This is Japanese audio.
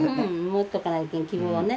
持っとかないけん希望をね。